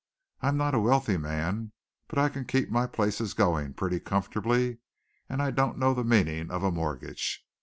I am not a wealthy man, but I can keep my places going pretty comfortably, and I don't know the meaning of a mortgage.